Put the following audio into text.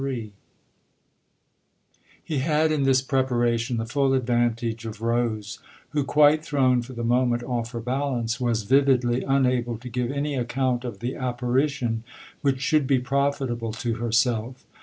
XXIII HE had, in this preparation, the full advantage of Rose, who, quite thrown for the moment off her balance, was vividly unable to give any account of the apparition which should be profitable to herself.